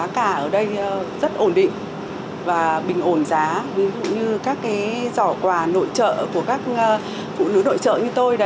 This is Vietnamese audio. các giỏ quà nội trợ của các phụ nữ nội trợ như tôi